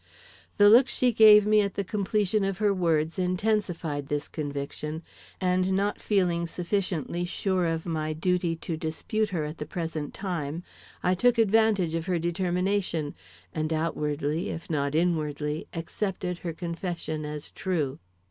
The look she gave me at the completion of her words intensified this conviction, and not feeling sufficiently sure of my duty to dispute her at the present time, I took advantage of her determination, and outwardly, if not inwardly, accepted her confession as true.